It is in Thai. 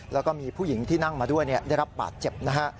แล้วก็มีผู้หญิงที่นั่งมาด้วยได้รับบาดเจ็บนะฮะ